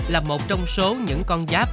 là một trong số những con giáp